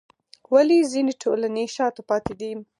ولې ځینې ټولنې شاته پاتې دي؟